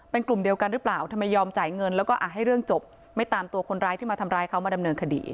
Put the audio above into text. เป็นกลุ่มเดียวกันหรือเปล่าทำไมยอมจ่ายเงินแล้วก็ให้เรื่องจบไม่ตามตัวคนร้ายที่มาทำร้ายเขามาดำเนินคดี